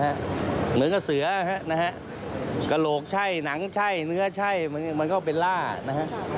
เหมือนกับเสือฮะนะฮะกระโหลกใช่หนังใช่เนื้อใช่มันก็เป็นล่านะฮะ